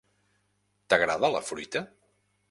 T'agrada la fruita?